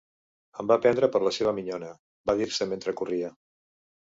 "Em va prendre per la sema minyona", va dir-se metre corria.